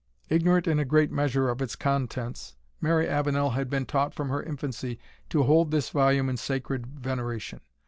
Ignorant in a great measure of its contents, Mary Avenel had been taught from her infancy to hold this volume in sacred veneration.